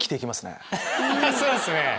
そうですね。